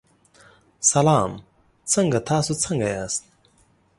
سلام څنګه تاسو څنګه یاست.